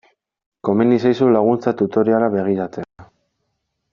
Komeni zaizu laguntza tutoriala begiratzea.